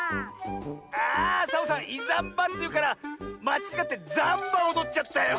あサボさん「いざんば」っていうからまちがってザンバおどっちゃったよ。